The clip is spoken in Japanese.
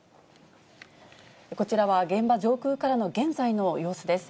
こちらは、現場上空からの現在の様子です。